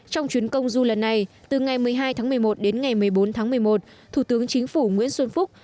trong chuyến công du lần này từ ngày một mươi hai tháng một mươi một đến ngày một mươi bốn tháng một mươi một thủ tướng chính phủ nguyễn xuân phúc